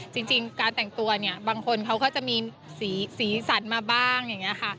จริงการแต่งตัวเนี่ยบางคนเขาก็จะมีสีสันมาบ้างอย่างนี้ค่ะ